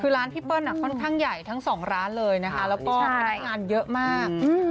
คือร้านพี่เปิ้ลค่อนข้างใหญ่ทั้งสองร้านเลยนะคะแล้วก็พนักงานเยอะมาก